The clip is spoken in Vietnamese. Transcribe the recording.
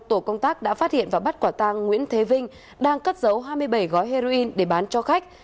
tổ công tác đã phát hiện và bắt quả tàng nguyễn thế vinh đang cất giấu hai mươi bảy gói heroin để bán cho khách